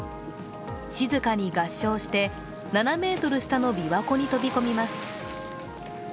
静かに合掌して、７ｍ下の琵琶湖に飛び込みます。